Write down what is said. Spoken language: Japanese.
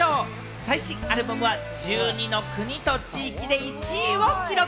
最新アルバムは１２の国と地域で１位を記録。